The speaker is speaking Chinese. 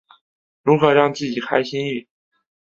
如何让自己开心一点？